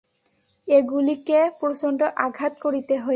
এগুলিকে প্রচণ্ড আঘাত করিতে হইবে।